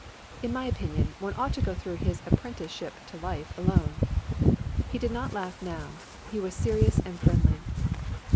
In my opinion one ought to go through his apprenticeship to life alone." He did not laugh now ; he was serious and friendly.